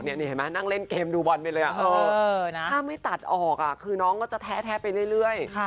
นี่เห็นไหมนั่งเล่นเกมดูบอลไปเลยถ้าไม่ตัดออกคือน้องก็จะแท้ไปเรื่อย